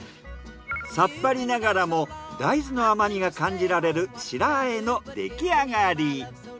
さっぱりながらも大豆の甘みが感じられる白和えの出来上がり。